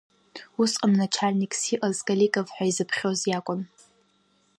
Усҟан начальникс иҟаз Коликов ҳәа изыԥхьоз иакәын.